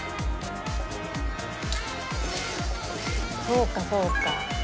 そうかそうか。